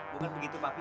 bukan begitu papi